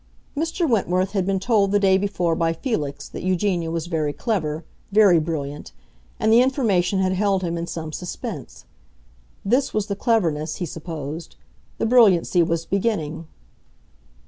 Mr. Wentworth had been told the day before by Felix that Eugenia was very clever, very brilliant, and the information had held him in some suspense. This was the cleverness, he supposed; the brilliancy was beginning.